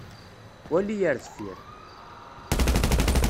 Wali ar deffir!